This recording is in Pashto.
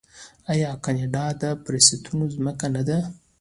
آیا کاناډا د فرصتونو ځمکه نه ده؟